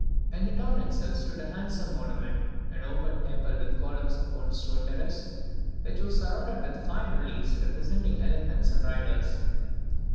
In the town itself stood a handsome monument, an open temple with columns upon a stone terrace, which was surrounded with fine reliefs, representing elephants and riders.